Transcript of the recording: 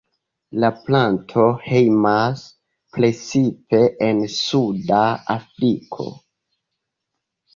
La planto hejmas precipe en suda Afriko.